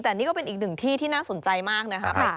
แต่นี่ก็เป็นอีกหนึ่งที่ที่น่าสนใจมากนะครับ